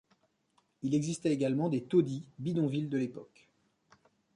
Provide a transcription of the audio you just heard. Il existait également des taudis, bidonvilles de l'époque.